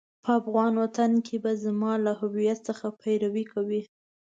په افغان وطن کې به زما له هويت څخه پيروي کوئ.